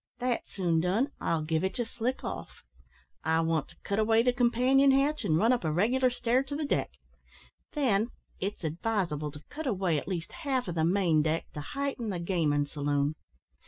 "That's soon done. I'll give it ye slick off. I want to cut away the companion hatch and run up a regular stair to the deck; then it's advisable to cut away at least half o' the main deck to heighten the gamin' saloon.